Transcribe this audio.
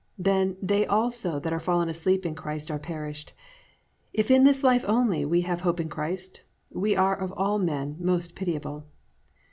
Then they also that are fallen asleep in Christ are perished. If in this life only we have hope in Christ, we are of all men most pitiable."